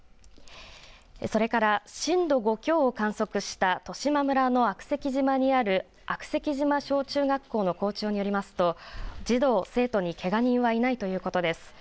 それから震度５強を観測した十島村の悪石島にある悪石島小中学校の校長によりますと児童、生徒にけが人はいないということです。